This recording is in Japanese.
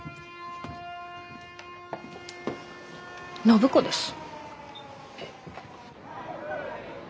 暢子です。